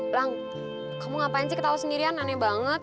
lang kamu ngapain sih ketawa sendirian aneh banget